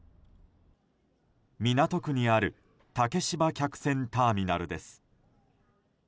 港区にある竹芝客船ターミナルです。